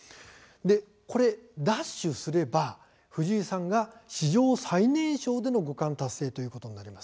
これを奪取すれば藤井さんが史上最年少での五冠達成ということになります。